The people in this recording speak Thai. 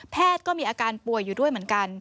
ก็มีอาการป่วยอยู่ด้วยเหมือนกัน